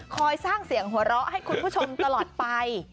สร้างเสียงหัวเราะให้คุณผู้ชมตลอดไป